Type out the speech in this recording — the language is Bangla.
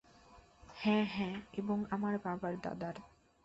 হ্যাঁ হ্যাঁ, এবং আমার বাবার দাদার।